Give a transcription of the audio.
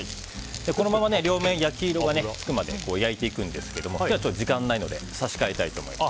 このまま両面焼き色がつくまで焼いていくんですが今日は時間がないので差し替えたいと思います。